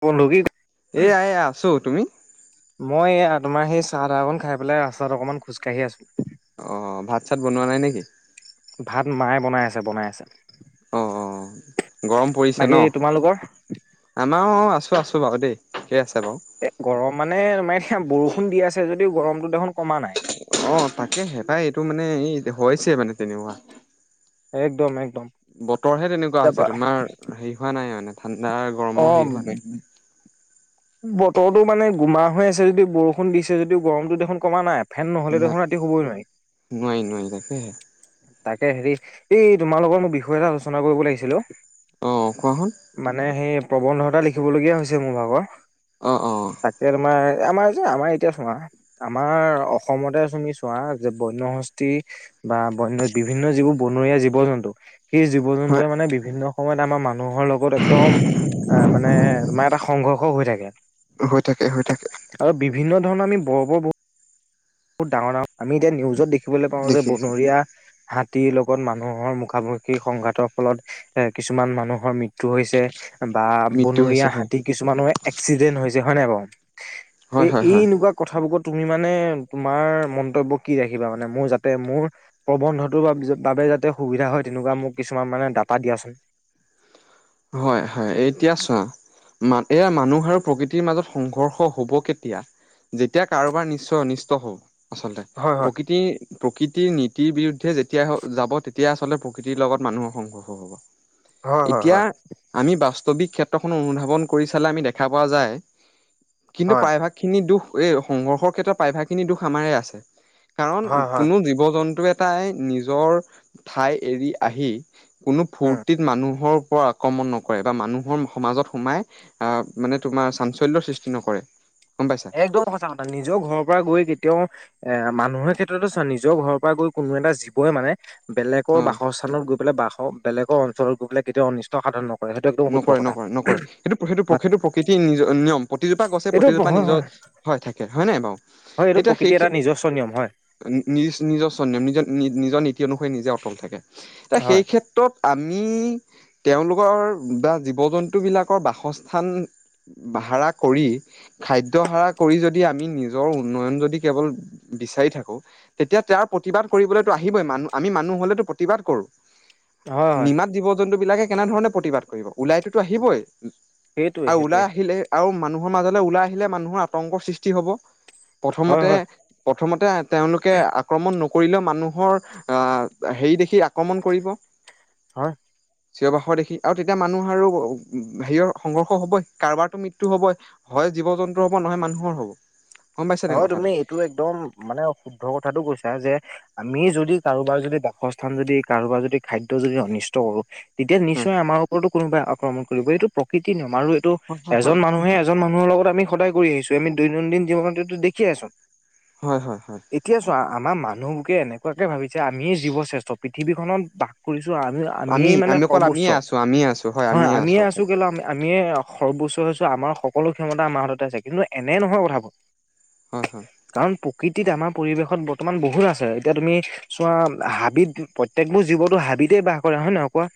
ভনোকি এয়া আছো তুমি মই তোমাৰ সেই চাহ তাহ অকন খাই পেলাই ৰাস্তাত অকনমান খোজকাঢ়ি আছো অঁ ভাত চাত বনোৱা নাই নেকি ভাত মায়ে বনাই আছে বনাই আছে অঁ অঁ গৰম পৰিছে বাকী ন তোমালোকৰ আমাৰো অ আছো আছো বাৰু দেই িকেই আছে বাৰু এ গৰম মানে তাৰতিয়া বৰষুণ দি আছে যদিও গৰমতো দেখোন কমা নাই অ তাকেহেটাই এইটো মানে এই হৈছে মানে তেনেুৱা একদম একদম বতৰ হে, তেনেকুৱা হৈছে তাৰপা তোমাৰ হেৰি হোৱা নাই মানে, ঠাণ্ডা গৰমৰ অ', হেৰি হোৱা নাই বতৰটো মানে, গোমা হৈ আছে যদি বৰষুণ দিছে যদিও, গৰমতটো দেখোন কমা নাই ফেন নহ'লে ন দেখোন, ৰাতি শুবই নোৱাৰি। নোৱাৰি নোৱাৰি তাকেহে তাকে, হেৰি এই তোমাৰ লগৰ মোৰ বিষয় এটা আলোচনা কৰিব লাগিছিলো। অ', কোৱাচোন মানে, সেই প্ৰবন্ধতা লিখিবলগীয়া হৈছে মোৰ ভাগৰ। অ', তাকে, তোমাৰ আমাৰ যে আমাৰ এতিয়া তোমা আমাৰ অসমতে তুমি চোৱা, যে বন্য হস্তি বা, বন বিভিন্ন যিবোৰ বনৰীয়া জীৱ জন্তু। সেই জীৱ হয় জন্তুৱে মানে, বিভিন্ন সময়ত আমাৰ মানুহৰ লগত একদম অ', মানে তোমাৰ এটা সংঘৰ্ষ হৈ থাকে। হৈ থাকে, হৈ থাকে। আৰু বিভিন্ন ধৰণৰ আমি বৰ বৰ বহুত। বহুত, ডাঙৰ, ডাঙৰ আমি এতিয়া নিউজত দেখিবলৈ পাওঁ যে দেখি আছো বনৰীয়া হাতীৰ লগত, মানুহৰ মুখামুখি সংঘাতৰ ফলত, এ কিছুমান মানুহৰ মৃত্যু হৈছে, বা মৃত্যু বনৰীয়া হৈছে হয় হাতী কিছুমানৰ এক্সিডেন্ট হৈছে হয় নাই বাৰু। হয় এই, হয় এই হয় এনেকুৱা কথাবোৰাক তুমি মানে। তোমাৰ মন্তব্য কি ৰাখিবা মানে, মোৰ যাতে মোৰ প্ৰবন্ধটোৰ বাবে যাতে, সুবিধা হয় তেনেকুৱা মোক কিছুমান মানে ডাটা দিয়াচোন হয়, হয়, এতিয়া চোৱা এয়া মানুহ আৰু প্ৰকৃতিৰ মাজত সংঘৰ্ষ হব কেতিয়া যেতিয়া, কাৰোবাৰ নিশ্চয় অনিষ্ট হওঁ আচলতে হয় হয় প্ৰকৃতিৰ প্ৰকৃতিৰ নীতিৰ বিৰুদ্ধে, যেতিয়া যাব তেতিয়া আচলতে প্ৰকৃতিৰ লগত মানুহৰ সংঘৰ্ষ হব। হয় হয় এতিয়া, হয় আমি বাস্তৱিক ক্ষেত্ৰখন অনুধাৱন কৰি চালে, আমি দেখা পোৱা যায় কিন্তু হয় প্ৰায়ভাগ। খিনি দুখ, এই সংঘৰ্ষৰ ক্ষেত্ৰত প্ৰায়ভাগ খিনি দুখ আমাৰ আছে। কাৰণ, হয় হয় কোনো জীৱ জন্তু এটাই নিজৰ ঠাই এৰি আহি। কোনো উম। ফূৰ্তিত মানুহৰ ওপৰত আক্ৰমণ নকৰে, বা মানুহৰ সমাজত সোমাই অ', মানে তোমাৰ চাঞ্চল্যৰ সৃষ্টি নকৰে গম পাইছ। একদম সঁচা কথা, নিজৰও ঘৰৰ পৰা গৈ কেতিয়াও এ, মানুহৰ ক্ষেত্ৰতো চ নিজৰ ঘৰৰ পৰা গৈ কোনো এটা জীৱই মানে বেলেগকৰ অ বাসস্থানত, গৈ পেলাই বাস বেগ অঞ্চলত গৈ পেলাই কেতিয়াও অনিষ্ট সাধন নহয় নকৰে, নকৰে, নকৰে, সেইটো সেইটো হয় সেইটো প্ৰকৃতিৰ নিজ নিয়ম প্ৰতিজোপা গছে এইটো প্ৰতিজোপা হয় নিজৰ হয়, থাকে হয়, নাই বাৰু। হয়, এইটো এতিয়া সেই প্ৰকৃতিৰ এটা নিজস্ব নিয়ম হয়। নিজ নিজৰ স নিজৰ নিজৰ নীতি অনুসৰি নিজে অটল থাকে এ হয় সেই ত্ৰত ত আমি তেওঁলোকৰ বা জীৱ জন্তুবিলাকৰ বাসস্থান। ভাড়া কৰি খাদ্য হাৰা কৰি, যদি আমি নিজৰ উন্নয়ন যদি কেৱল বিচাৰি থাকো। তেতিয়া তেওঁৰ প্ৰতিবাদ কৰিবলৈতো আহিবই, আমি মানুহ হলেতো প্ৰতিবাদ কৰো। হয় হয় নিমাত জীৱ জন্তু বিলাকে কেনেধৰণে, প্ৰতিবাদ কৰিব ওলাইটোোতো আহিবই। সেইটোৱে আৰু সেইটোৱে ওলাই আহিলে আৰু মানুহৰ মাজলৈ ওলাই আহিলে মানুহৰ আতংকৰ সৃষ্টি হ'ব। হয় প্ৰথমতে, হয় প্ৰথমতে, তেওঁলোকে আক্ৰমণ ন কৰিলেও মানুহৰ আহ হেৰি দেখি আক্ৰমণ কৰিব হা [unintelligible] দেখি। আৰু তেতিয়া মানুহ আৰু, হেৰিয়ৰ সংঘৰ্ষ হ'বই কাৰোবাৰটো মৃত্যু হ'বই হয়, জীৱ জন্তুৰ হ'ব নহয় মানুহৰ হব। গম পাইছে নাই হয় তুমি কথাটো এইটো একদম মানে শুদ্ধ কথাটো কৈছা যে আমি যদি কাৰোবাৰ যদি বাসস্থান যদি কাৰোবাৰ যদি খাদ্য যদি অনিষ্ট কৰোঁ তেতিয়া উম নিশ্চয় আমাৰ ওপৰতো কোনোবাই আক্ৰমণ কৰিব, এইটো প্ৰকৃতিৰ নিয়ম আৰু এইটো এজন মানুহে এজন মানুহৰ লগত আমি সদায় কৰি আহিছোঁ, আমি দৈনন্দিন জীৱনততো দেখি আছোঁ। হয় হয় হয়। এতিয়া চোৱা আমাৰ মানুহবোকে এনেকুৱাকৈ ভাবিছে আমিয়ে জীৱশ্ৰেষ্ঠ পৃথিৱীখনত বা কৰিছোঁ আমি আমি-আমিয়েই মানে আমি অকল আমিয়ে সৰ্বোচ্চ, আছো আমিয়ে আছো হয় আছো আমিয়ে অকল আছোঁ কেল আ, আমিয়ে সৰ্বোচ্চ হৈছে আমাৰ সকলো ক্ষমতা আমাৰ হাততে আছে কিন্তু এনে নহয় কথাবোৰ হয় হয়। কাৰণ প্ৰকৃতিত আমাৰ পৰিৱেশত বৰ্তমান বহুত আছে, এতিয়া তুমি চোৱা হাবিত প্ৰত্যেকবোৰ জীৱনটো হাবিতে বাস কৰে হয় নহয় কোৱা?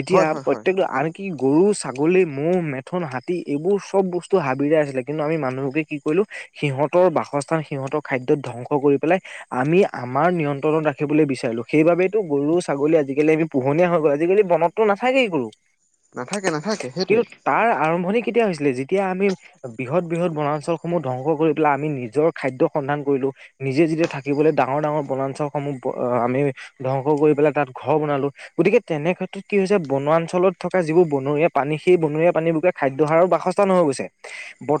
এতিয়া হয় হয় হয় প্ৰত্যেকটো আন কি গৰু, ছাগলী ম'হ, মেথন, হাতী এইবোৰ চব বস্তু হাবিৰেই আছিলে কিন্তু আমি মানুহবোৰে কি কৰিলোঁ সিহঁতৰ বাসস্থান সিহঁতৰ খাদ্যত ধ্বংস কৰি পেলাই আমি আমাৰ নিয়ন্ত্ৰণত ৰাখিবলৈ বিচাৰিলোঁ সেইবাবে গৰু ছাগলী আজিকালি আমি পোহনীয়া হৈ গ'ল, আজিকালি বনত তোৰ নাথাকেই গৰু, নাথাকে নাথাকে কিন্তু সেইটোৱে তাৰ আৰম্ভণি কেতিয়া হৈছিলে যেতিয়া আমি বৃহৎ বৃহৎ বনাঞ্চলসমূহ ধবংস কৰি পেলাই আমি নিজৰ খাদ্য সন্ধান কৰিলোঁ নিজে যেতিয়া থাকিবলৈ ডাঙৰ ডাঙৰ বনাঞ্চলসমূহ আমি ধ্বংস কৰি পেলাই তাত ঘৰ বনালো গতিকে তেনে ক্ষেত্ৰত কি হৈছে বনঞ্চলত থকা যিবোৰ বনৰীয়া পানী, সেই বনৰীয়া পানীবোৰে খাদ্যহাৰৰ বাসস্থা নহৈ গৈছে।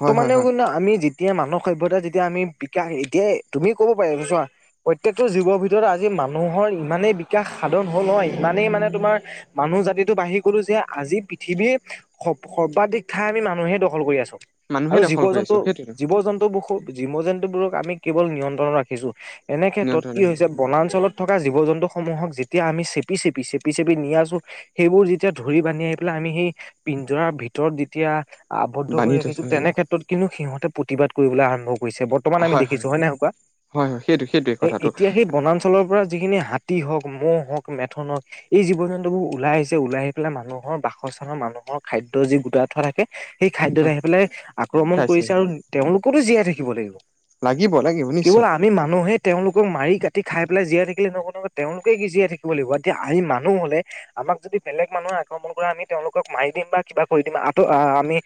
হয় হয় হয় কিন্তু আমি যি এতিয়া মানৰ সভ্যতা যেতিয়া আমি বিকাশ এতিয়া তুমি ক'ব পাৰে চোৱা প্ৰত্যয়েকটো জীৱৰ ভিতৰত আজি মানুহৰ ইমানেই বিকাশ সাধন হ'ল নহয় ইমানেই মানে তোমাৰ মানুহ জাতিটো বাঢ়ি গলো যে আজি পৃথিৱীৰ স-সৰ্বাধিক ঠাই আমি মানুহে দখল কৰি আছোঁ, মানুহে আৰু জীৱ দখল কৰি জন্তু আছো সেইটোৱে জীৱ জন্তুবোৰোঁ জীৱ জন্তুবোৰক আমি কেৱল নিয়ন্ত্ৰণত ৰাখিছোঁ, এনে ক্ষেত্ৰত নিয়ন্ত্ৰণ কি হৈছে বনাঞ্চলত থকা জীৱ জন্তুসমূহক যেতিয়া আমি চেপি চেপি, চেপি চেপি নি আছোঁ সেইবোৰ যেতিয়া ধৰি বান্ধি আহি পেলাই আমি সেই পিঞ্জাৰ ভিতৰত যেতিয়া আৱদ্ধ কৰি বান্ধি থৈছো ৰাখিছোঁ হয় তেনে ক্ষেত্ৰত কিন্তু সিহঁতে প্ৰতিবাদ কৰিবলৈ আৰম্ভ কৰিছে। বৰ্তমান আমি দেখিছোঁ হয় না কোৱা? হয় হয় সেইটো সেইটোৱে কথাটো এতিয়া সেই বনাঞ্চলৰপৰা যিখিনি তি হওক ম'হ হওক, মেথন হওক এই জীৱ জন্তুবোৰ ওলাই আহিছে, ওলাই আহি পেলাই মানুহৰ বাসস্থানৰ মানুহৰ খাদ্য যি গোটাই থ তাকে সেই খাদ্যত আহি পেলাই আক্ৰমণ খাইছে কৰিছে আৰু তেওঁলোকতো জীয়াই থাকিব লাগিব। লাগিব লাগিব কেৱল নিশ্চয়। আমি মানুহে তেওঁলোকক মাৰি কাটি খাই পেলাই জীয়াই থাকিলে নহ'ব নহয়, তেওঁলোকে কি জীয়াই থাকিব লাগিব। এতিয়া আমি মানুহ হ'লে আমাক যদি বেলেগ মানুহে আক্ৰমণ কৰে আমি তেওঁলোকক মাৰি দিম বা কিবা কৰি দিম, আ, আমি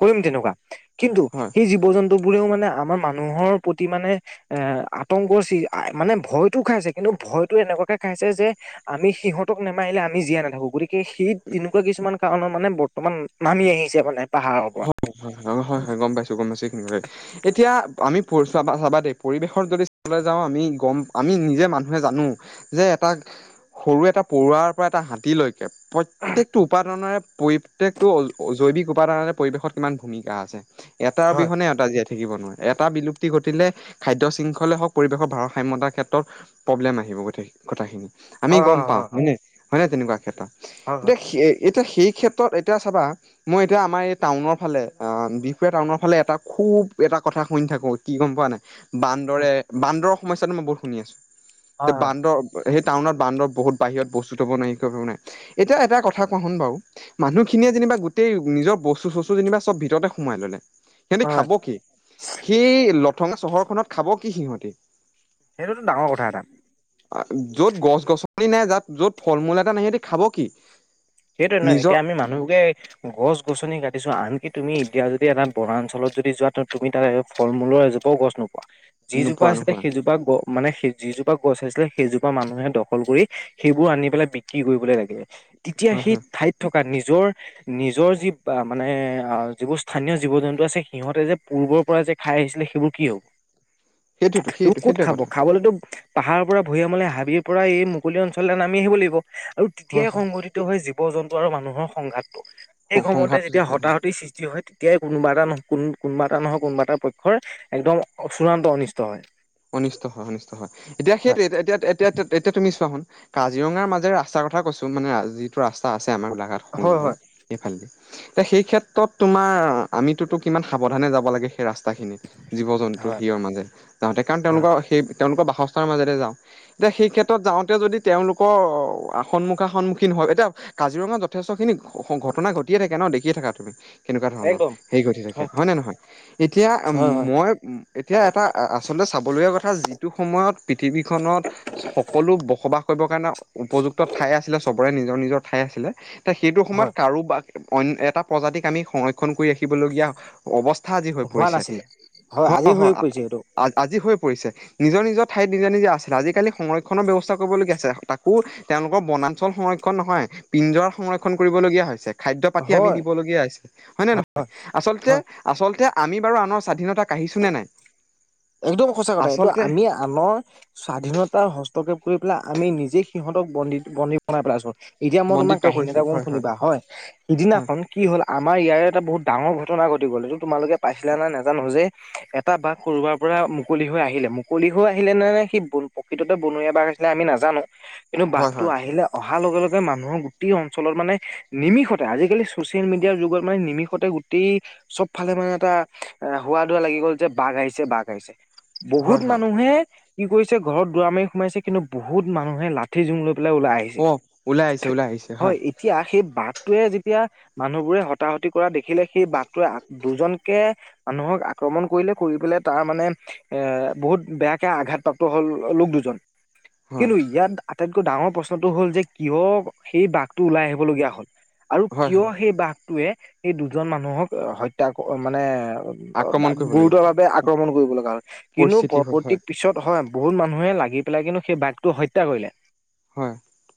কৰিম তেনেকুৱা, কিন্তু হয় সেই জীৱ জন্তুবোৰেও মানে আমাৰ মানুহৰ প্ৰতি মানে এ, আতংকৰ চি মানে ভয়তটো খাই আছে কিন্তু ভয়টো এনেকুৱাকে খাইছে যে আমি সিহঁতক নেমাৰিলে আমি জীয়াই নাথাকো গতিকে সেই তেনেকুৱা কিছুমান কাৰণৰ মানে বৰ্তমান নামি আহিছে মানে পাহাৰৰপৰা। হয় হয়, হয় হয় গ'ম পাইছোঁ গ'ম পাইছোঁ এইখিনি, এতিয়া আমি চ চাবা দেই পৰিৱেশত যদিলৈ যাওঁ, আমি গ'ম আমি নিজে মানুহে জানো যে এটা সৰু এটা পৰুৱাৰপৰা এটা হাতী লৈ প্ৰত্যেকটো উপাদানৰে পৰি প্ৰত্যেকটো জৈৱিক উপাদানৰে পৰিৱেশত কিমান ভূমিকা আছে, এটাৰ হয় অবিহনে টাই জীয়াই থাকিব নোৱাৰে। এটা বিলুপ্তি ঘটিলে খাদ্য শৃংখলে হওক, পৰিৱেশৰ ভাৰসাম্যতাৰ ক্ষেত্ৰত প্ৰব্লেম আহিব কথাখিনি, আমি হয় হয় গম পাওঁ হয় হয়নে হয়নে তেনেকুৱা ক্ষেত্ৰত, হয় হয় হয় হয় কিন্তু সেই এতিয়া সেই ক্ষেত্ৰত এতিয়া চাবা মই এতিয়া আমাৰ এই টাউনৰফালে আ, বি টাউনৰফালে এটা খুব এটা কথা শুনি থাকোঁ কি গ'ম পোৱানে? বান্দৰে, বান্দৰৰ সমস্যাটো মই বহুত শুনি আছোঁ। তে হয় হয় বান্দৰ সেই টাউনত বান্দৰ বহুত বাহিৰত বস্তু থব নোৱাৰি কাৰেনে এতিয়াও এটা কথা কোৱা শুোন বাৰু মানুহখিনিয়ে যেনিবা গোটেই নিজৰ বস্তু চস্তু যেনিবা চব ভিতৰতে সোমাই ললে সিহঁতি হয় খাব কি সেই লথঙা চহৰখনত খাব কি সিহঁতি সেইটোতটো ডাঙৰ কথা এটা যত গছ গছনি নাই যাত যত ফল মূল এটা নাই সিহতি খাব কি সেইটোয়ে নহয় নিজৰ এতিয়া আমি মানুহকে গছ গছনি কাটিছো আনকি তুমি এতিয়া যদি এটা বঞ্চলত যদি যোৱা তুমি তাত ফল মূলৰ এজোপাও গছ নোপোৱা যিজোপা নোপোৱা আছিলে নোপোৱা সেইজোপা মানে সেই যিজোপা গছ আছিলে সেইজোপা মানুহে দখল কৰি সেইবোৰ আনি পেলাই বিক্ৰী কৰিবলৈ লাগিল এতিয়া হয় সেই হয়। ঠাইত থকা নিজৰ নিজৰ যি মানে আহ যিবোৰ স্থানীয় জীৱ জন্তু আছে সিহঁতে যে পূৰ্বৰ পৰা যে খাই আহিছিলে সেইবোৰ কি হ'ব সেইটোৱেতো সেইবোৰ সেইটো কত সেইটোৱে খাব কথা খাবলেতো পাহাৰৰ পৰা ভূয়ামলে হাবিৰ পৰা এই মুকলি অঞ্চল এটা নামি আহিব লাগিব আৰু হয় তেতিয়াই হয় সংঘটিত জীৱ জন্তু আৰু মানুহৰ সংঘাতটো সেই সময়তে সংঘাতটো যেতিয়া তেতিয়া হয় হতাহতি সৃষ্টি হয় এতিয়াই কোনোবা এটা কোনোবা এটা নহয় কোনোবা এটা পক্ষ একদম চূড়ান্ত অনিষ্ট হয় অনিষ্ট হয় অনিষ্ট হয় এতিয়া সেইটো এতিয়া, এতিয়া, এতিয়া তুমি চোৱাচোন কাজিৰঙাৰ মাজেৰে ৰাস্তাৰ কথা কৈছো মানে যিটো ৰাস্তা আছে আমাৰ গোলাঘাট হয় হয় সংযোগী হয় সেইফালেদি এ সেই ক্ষেত্ৰত তোমাৰ আমিতোটো কিমান সাৱধানে যাব লাগে সেই ৰাস্তাখিনি জীৱ জন্তু হয় সেইৰ মাজে যাওঁতে কাৰণ হয় তেওঁলোকৰ সেই তেওঁলোকৰ বাসস্থানৰ মাজেৰে যাওঁ এতিয়া সেই ক্ষেত্ৰত যাওঁতে যদি তেওঁলোকৰ সন্মুখা সন্মুখীন হয় এতিয়া কাজিৰঙাত যথেষ্টখিনি ঘটনা ঘটিয়ে থাকে ন দেখিয়ে থাকা তুমি কেনেকুৱা ধৰণৰ একদম হেৰি ঘটি থাকে হয় হয়নে নহয় এতিয়া হয় হয় মই এতিয়া এটা [unintelligible] আচলতে চাবলগীয়া কথা যিটো সময়ত পৃথিৱীখনত সকলো বসবাস কৰিবৰ কাৰণে উপযুক্ত ঠাই আছিলে চব কৰে নিজৰ নিজৰ ঠাই আছিলে তেতিয়া সেইটো সময়ত হয় কাৰোবাক অইন এটা প্ৰজাতিক আমি সংৰক্ষণ কৰি ৰাখিবলগীয়া অৱস্থা আজি হৈ হোৱা পৰিছে নাছিলে হয় হ আজি হৈ পৰিছে এইটো হয় আজি হৈ পৰিছে নিজৰ নিজৰ ঠাইত নিজে, নিজে আছিল আজিকালি সংৰক্ষণৰ ব্যৱস্থা কৰিবলগীয়া আছে তাকো তেওঁলোকৰ বনাঞ্চল সংৰক্ষণ নহয় পিঞ্জৰা সংৰক্ষণ কৰিবলগীয়া হৈছে খাদ্য পাতি আমি হয় দিবলগীয়া [unintelligible] হয়নে নহয় আচলতে, হয় আচলতে আমি বাৰু আনৰ স্বাধীনতা কা়ঢ়িছোঁ নে নাই একদম সঁচা কথা এইটো আচলতে আমি আনৰ স্বাধীনতা হস্তক্ষেপ কৰি পেলাই আমি নিজে সিহঁতক বন্দী, বন্দী বনাই পেলাইছোঁ এতিয়া মই তুমাৰ বন্দিত্ব কাহিনী কৰিছো এটা কম হয় শুনিবা হয় হয় সিদিনাখন কি হ'ল আমাৰ ইয়াৰে এটা বহুত ডাঙৰ ঘটনা ঘটি গ'ল এইটো তোমালোকে পাইছিলা নে নেজানো যে এটা বাঘ কৰোবাৰ পুৰা মুকলি হৈ আহিলে, মুকলি হৈ আহিলে নে সি প্ৰকৃততে বনৰীয়া বাঘ আছিলে আমি নাজানো কিন্তু হয় বাঘটো হয় আহিলে অহাৰ লগে, লগে মানুহৰ গোটেই অঞ্চলত মানে নিমিষতে আজিকালি চচিয়েল মিডিয়াৰ যুগত মানে নিমিষতে গোট গোটেই চব ফালে মানে এটা হুৱাদুৱা লাগি গ'ল যে বাঘ আহিছে বাঘ [unintelligible] বহুত হয় হয় মানুহে কি কৰিছে ঘৰত দুৱাৰ মাৰি সোমাইছে কিন্তু বহুত মানুহে লা ঠি জোং লৈ পেলাই ওলাই আহিছে অ ওলাই আহিছে ওলাই আহিছে আৰু হয় এতিয়া সেই বাঘটোৱে যেতিয়া মানুহবোৰে হতাহতি কৰা দেখিলে সেই বাঘটোৱে [unintelligible] দুজনকে মানুহক আক্ৰমণ কৰিলে কৰি পেলাই তাৰ মানে এ বহুত বেয়াকে আঘাতপ্ৰাপ্ত হ'ল লোক দুজন হয় কিন্তু ইয়াত আটাইতকৈ ডাঙৰ প্ৰশ্নটো হ'ল যে কিয় সেই বাঘটো ওলাই আহিবলগীয়া হ'ল আৰু হয় কিয় হয় সেই বাঘটোৱে সেই দুজন মানুহক হত্যা মানে আক্ৰমণ কৰিবলগীয়া গুৰুতৰভাৱে আক্ৰমণ কৰিবলগা হ'ল কিন্তু পৰিস্থিতি হ'ল হয় পৰৱৰ্তী পিছত হয় বহুত মানুহে লাগি পেলাই কিন্তু সেই বাঘটো হত্যা কৰিলে হয়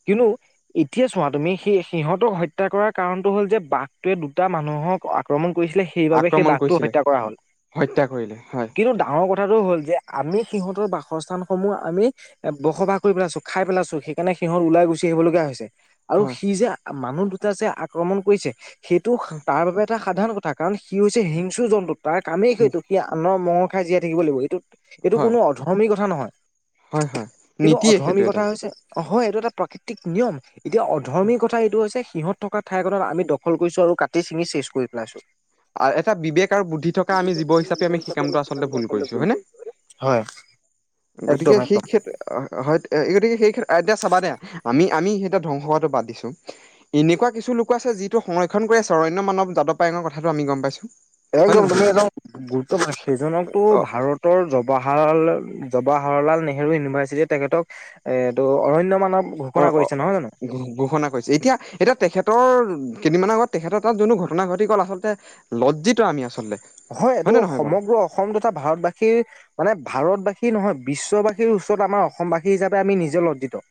[unintelligible] এতিয়া চোৱা তুমি সেই সিহঁতক হত্যা কৰাৰ কাৰণটো হ'ল, যে বাঘটোৱে দুটা মানুহক আক্ৰমণ কৰিছিলে সেইবাবে সেই আক্ৰমণ বাঘটো কৰিছিলে হত্যা কৰা হ'ল। হত্যা কৰিলে হয়। কিন্তু ডাঙৰ কথাটো হ'ল যে আমি সিহঁতৰ বাসস্থানসমূহ আমি এ বসবাস কৰি পেলাইছোঁ, খাই পেলাইছোঁ, সেইকাৰণে সিহঁত ওলাই গুচি আহিবলগীয়া হৈছে। আৰু হয় সি যে মানুহ দুটা যে আক্ৰমণ কৰিছে, সেইটো তাৰ বাবে এটা সাধাৰণ কথা। কাৰণ সি হৈছে হিংস্ৰ জন্তু তাৰ কামেই সেইতো সি আনৰ মঙহ খাই জীয়াই থাকিব লাগিব। এইটো এইটো হয় কোনো অধৰ্মী কথা নহয়, হয় হয় কিন্তু নীতিয়ে অৰ্ধমী সেইটো এটা কথা হৈছে- অ' হয় এইটো এটা প্ৰাকৃতিক নিয়ম। এতিয়া অধৰ্মী কথা এইটো হৈছে সিহঁত থকা ঠাইখনত আমি দখল কৰিছোঁ আৰু কাটি চিঙি শেষ কৰি পেলাইছোঁ। আৰু এটা বিবেক আৰু বুদ্ধি থকা আমি জীৱ হিচাপে আমি সি কামটো আচলতে ভুল কৰিছো হয় নে? হয়। গতিকে একদম একদম। সেই ক্ষেত্ৰত হয় গতিকে সেই এতিয়া চাবা দে আমি আমি সিহ'তক ধ্বংসহোৱাটো বাদ দিছো। এনেকুৱা কিছু লোকো আছে যিটো সংৰক্ষণ কৰি আছে। অৰণ্য মানৱ জাদবপায়েঙৰ কথাটো আমি গ'ম পাইছোঁ? একদম তুমি একদম গুৰুত্বপুৰ্ন, সেইজনকতো অ ভাৰত জৱাহৰ জৱাহৰলাল নেহৰু ইউনিভাৰ্চিটিয়ে তেখেতক এইটো অৰণ্য মানৱ ঘোষণা অ', অ' কৰিছে নহয় জানো? ঘোষণা কৰিছে। এতিয়া এতিয়া তেখেতৰ কেইদিনমানৰ আগত তেখেতৰ তাত যোনটো ঘটনা ঘটি গ'ল, আচলতে লজ্জিত আমি আচলতে হয় এইটো নে নহয় বাৰু? সমগ্ৰ অসম তথা ভাৰতবাসীৰ মানে ভাৰতবাসী নহয় বিশ্ববাসীৰ ওচৰত আমাৰ অসমবাসী হিচাপে আমি নিজে লজ্জিত।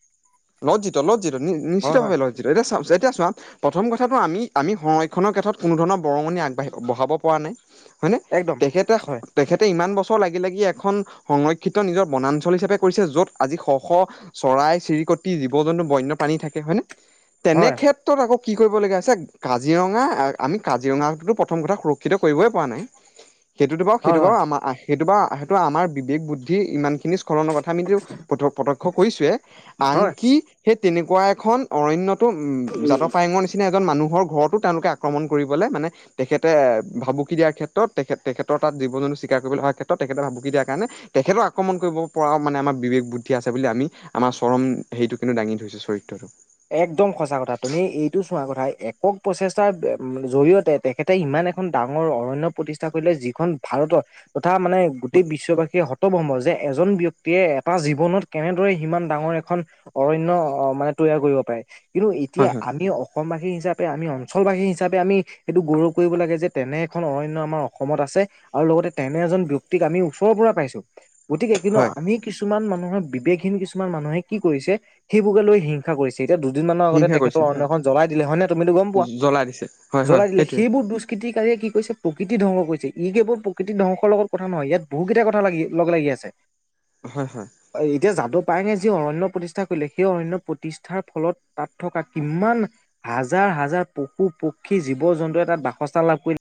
লজ্জিত, লজ্জিত হয় হয় নিশ্চিতভাৱে লজ্জিত এতিয়া চা এতিয়া চোৱা প্ৰথম কথাটো আমি আমি সংৰক্ষণৰ ক্ষেত্ৰত কোনো ধৰণৰ বৰঙণি আগবাঢ়ি বঢ়াব পৰা নাই। হয়নে? একদম তেখেতে হয় তেখেতে ইমান বছৰ লাগি লাগি এখন সংৰক্ষিত নিজৰ বনাঞ্চল হিচাপে কৰিছে, য'ত আজি শ শ চৰাই চিৰিকতি জীৱ জন্তু বন্যপাণী থাকে হয় নে? হয় তেনেক্ষেত্ৰত আকৌ কি কৰিবলগীয়া আছে, কাজিৰঙা আমি কাজিৰঙা প্ৰথম কথা সেইটো কৰিবই পৰা নাই, সেইটোতো বাৰু হয় সেইটো বাৰু হয় আমাৰ আহ সেইটো বাৰু সেইটো আমাৰ বিবেক বুদ্ধি ইমানখিনি স্খলনৰ কথা আমিটো প্ৰ প্ৰত্যক্ষ কৰিছোৱে। হয়। আনকি সেই তেনেকুৱা এখন অৰণ্যটো উম জাদবপায়েংৰ নিচিনা না এজন মানুহৰ ঘৰতো তেওঁলোকে আক্ৰমণ কৰিবলৈ মানে তেখেতে ভাবুকি দিয়াৰ ক্ষেত্ৰত তেখেত তেখেতৰ তাত জীৱ জন্তু চিকাৰ কৰিবলৈ অহাৰ ক্ষেত্ৰত তেখেতে ভাবুকি দিয়াৰ কাৰণে তেখেতক আক্ৰমণ কৰিব পৰাও মানে আমাৰ বিবেক বুদ্ধি আছে বুলি আমি আমাৰ আ চৰন সেইটো কিন্তু দাঙি ধৰিছো চৰিত্ৰটো। একদম সঁচা কথা। তুমি এইটো চোৱা কথা একক প্ৰচেষ্টাৰ জৰিয়তে তেখেতে ইমান এখন ডাঙৰ অৰণ্য প্ৰতিষ্ঠা কৰিলে, যিখন ভাৰতৰ তথা মানে গোটেই বিশ্ববাসীয়ে হত ভমভ যে এজন ব্যক্তিয়ে এটা জীৱনত কেনেদৰে সিমান ডাঙৰ এখন অৰণ্য মানে তৈয়াৰ কৰিব পাৰে। কিন্তু এতিয়া হয় হয় আমি অসমবাসী হিচাপে আমি অঞ্চলবাসী হিচাপে আমি সেইটো গৌৰৱ কৰিব লাগে যে তেনে এখন অৰণ্য আমাৰ অসমত আছে। আৰু লগতে তেনে এজন ব্যক্তিক আমি ওচৰৰ পৰা পাইছো। গতিকে কিন্তু হয় আমি কিছুমান মানুহৰ বিবেকহীন কিছুমান মানুহে কি কৰিছে সেইবোৰকে লৈ হিংসা কৰিছে। তেতিয়া দুদিন মানৰ আগতে হিংসা তেখেতৰ কৰিছে অৰণ্য হয় এখন জ্বলাই দিলে হয় নে তুমিতো গ'ম পোৱা, জ্বলাই দিছে হয় হয় জ্বলাই দিলে সেইটোৱে সেইবোৰ দু ষ্কৃতিকাৰেয়ে কি কৰিছে প্ৰকৃতিৰ ধ্বংস কৰিছে, ই কেৱল প্ৰকৃতিৰ ধ্বংসৰ লগত কথা নহয় ইয়াত বহু কেইটা কথা লাগি লগ লাগি আছে। [unintelligible] হয়, হয়। এতিয়া যাদবপায়েংয়ে যি অৰণ্য প্ৰতিষ্ঠা কৰিলে, সেই অৰণ্য প্ৰতিষ্ঠাৰ ফলত তাত থকা কিমান হাজাৰ হাজাৰ পশু পক্ষী জীৱ জন্তুৱে তাত বাসস্থা লাভ কৰি